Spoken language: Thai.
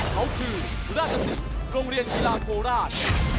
เขาคือราชศิษย์โรงเรียนกีฬาโคราช